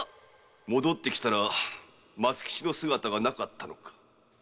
〔戻ってきたら松吉の姿がなかったのか〕